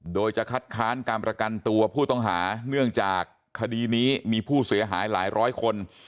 โดยจะคัดค้านการประกันตัวผู้ต้องหาเนื่องจากคดีนี้มีผู้เสียหายหลายร้อยคน